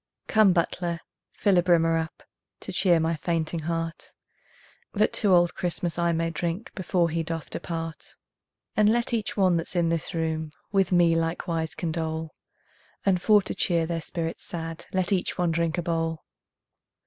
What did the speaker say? Come, butler, fill a brimmer up To cheer my fainting heart, That to old Christmas I may drink Before he doth depart; And let each one that's in this room With me likewise condole, And for to cheer their spirits sad Let each one drink a bowl.